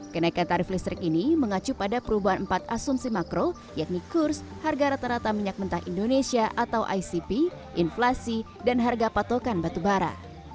kenaikan tarif listrik ini mengacu pada perubahan empat asumsi makro yakni kurs harga rata rata minyak mentah indonesia atau icp inflasi dan harga patokan batubara